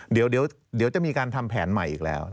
เดี๋ยวจะมีการทำแผนใหม่อีกแล้ว